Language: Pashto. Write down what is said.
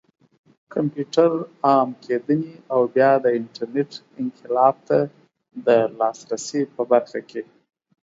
کمپيوټر عام کېدنې او بيا د انټرنټ انقلاب ته د لاسرسي په برخه کې